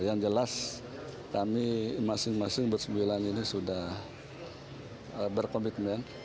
yang jelas kami masing masing bersembilan ini sudah berkomitmen